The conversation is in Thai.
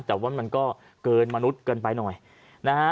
ชาวบ้านญาติโปรดแค้นไปดูภาพบรรยากาศขณะ